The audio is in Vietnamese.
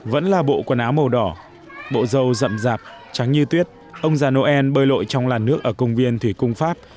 vẫn là bộ quần áo màu đỏ bộ dầu rậm rạp trắng như tuyết ông già noel bơi lội trong làn nước ở công viên thủy cung pháp